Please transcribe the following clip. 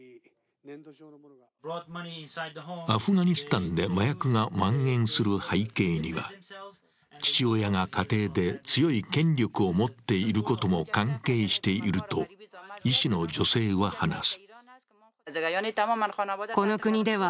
アフガニスタンで麻薬がまん延する背景には父親が家庭で強い権力を持っていることも関係していると医師の女性は話す。